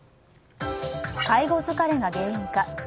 介護疲れが原因か。